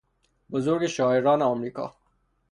بزرگ شاعران امریکا